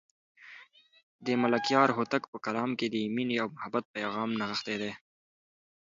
د ملکیار هوتک په کلام کې د مینې او محبت پیغام نغښتی دی.